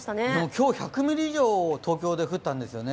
今日１２０以上、東京で降ったんですよね。